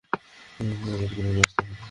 ওদেরকে নেমে আসতেই হবে।